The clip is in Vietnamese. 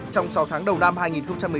trong sáu tháng đầu năm hai nghìn một mươi chín